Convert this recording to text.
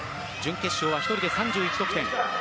準決勝は１人で３１得点。